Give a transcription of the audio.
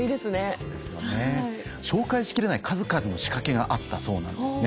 そうですよね紹介しきれない数々の仕掛けがあったそうなんですね。